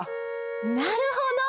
なるほど！